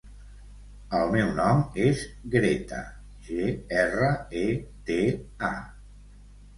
El meu nom és Greta: ge, erra, e, te, a.